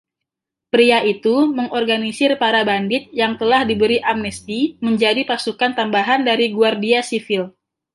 Pria itu mengorganisir para bandit yang telah diberi amnesti menjadi pasukan tambahan dari Guardia Civil.